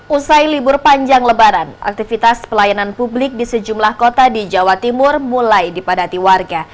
usai libur panjang lebaran aktivitas pelayanan publik di sejumlah kota di jawa timur mulai dipadati warga